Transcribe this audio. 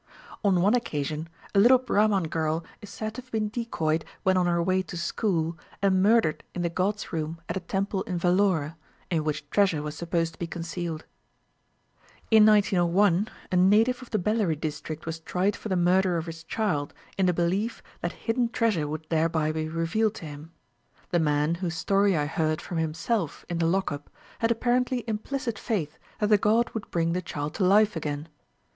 On one occasion, a little Brahman girl is said to have been decoyed when on her way to school, and murdered in the god's room at a temple in Vellore, in which treasure was supposed to be concealed. In 1901, a Native of the Bellary district was tried for the murder of his child, in the belief that hidden treasure would thereby be revealed to him. The man, whose story I heard from himself in the lock up, had apparently implicit faith that the god would bring the child to life again.